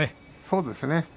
そうですね。